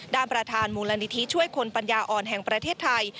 ประธานมูลนิธิช่วยคนปัญญาอ่อนแห่งประเทศไทย